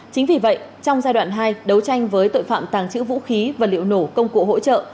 chính vì vậy trong giai đoạn hai đấu tranh với tội phạm tàng trữ vũ khí và liệu nổ công cụ hỗ trợ